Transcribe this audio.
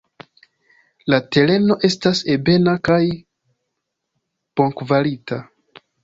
La tereno estas ebena kaj bonkvalita.